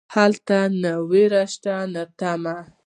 هلته نه ویره شته نه تمه.